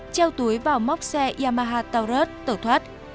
treo túi vào móc xe yamaha taurus tẩu thoát